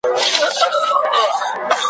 نه دعا او نه درودونو اثر وکړ .